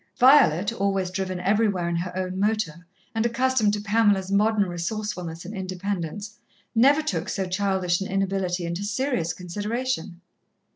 Violet, always driven everywhere in her own motor, and accustomed to Pamela's modern resourcefulness and independence, never took so childish an inability into serious consideration.